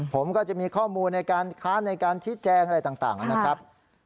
ผมก็จะมีข้อมูลในการค้านในการชี้แจงอะไรต่างนะครับ